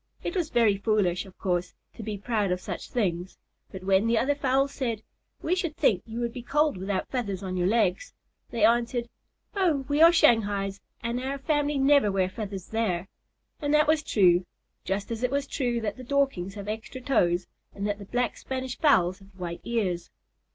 It was very foolish, of course, to be proud of such things, but when the other fowls said, "We should think you would be cold without feathers on your legs," they answered, "Oh, we are Shanghais, and our family never wear feathers there!" And that was true, just as it is true that the Dorkings have extra toes, and that the Black Spanish fowls have white ears.